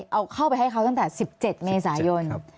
เอาเข้าไปให้เขาตั้งแต่๑๗เมษายน